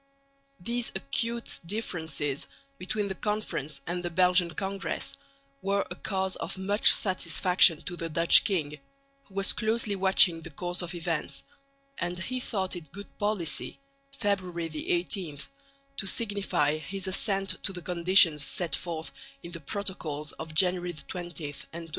These acute differences between the Conference and the Belgian Congress were a cause of much satisfaction to the Dutch king, who was closely watching the course of events; and he thought it good policy (February 18) to signify his assent to the conditions set forth in the protocols of January 20 and 27.